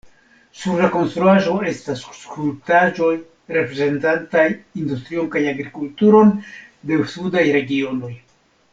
Sur la konstruaĵo estas skulptaĵoj, reprezentantaj industrion kaj agrikulturon de sudaj regionoj.